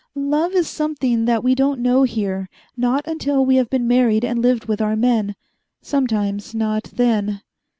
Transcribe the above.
"Love is something that we don't know here not until we have been married and lived with our men. Sometimes not then."